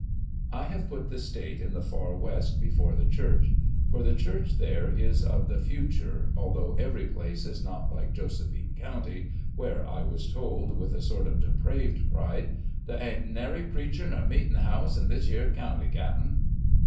I have put the State in the Far West before the Church; for the Church there is of the future, although every place is not like Jose phine county, where i was told, with a sort of depraved pride, " There a'nt nary preacher nor meetin' house iu this yer county, cap'n."